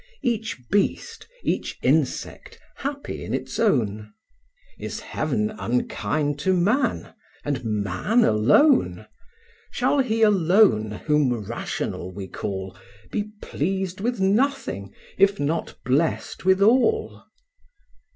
Each beast, each insect, happy in its own: Is Heaven unkind to man, and man alone? Shall he alone, whom rational we call, Be pleased with nothing, if not blessed with all?